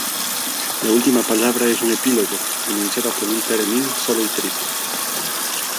La última palabra es un "Epílogo" pronunciada por un Theremin...solo y triste.